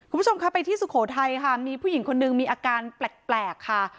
คุณผู้ชมค่ะไปที่สุโขทัยค่ะมีผู้หญิงคนนึงมีอาการแปลกค่ะ